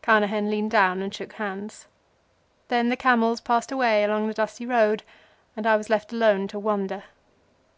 Carnehan leaned down and shook hands. Then the camels passed away along the dusty road, and I was left alone to wonder.